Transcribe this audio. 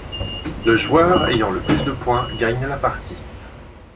Le joueur ayant le plus de points gagne la partie.